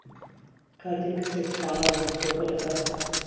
کاتێک کهسێک سکاڵا لهدهست کۆکه دهکات